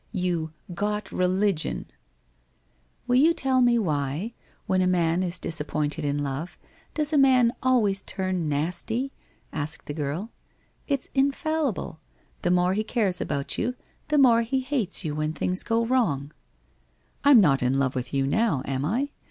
You " got religion !"'* Will you tell me why, when a man is disappointed in love, does a man always turn nasty?' asked the girl. ' It's infallible. The more he cares about you, the more he hates you when things go wrong?' ' I'm not in love with you now, am I